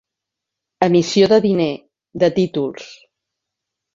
Emissió de diner, de títols.